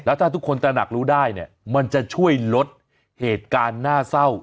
ถ้าทุกคนตระหนักรู้ได้เนี่ยมันจะช่วยลดเหตุการณ์น่าเศร้า